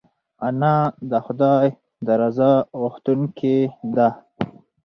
انا د خدای د رضا غوښتونکې ده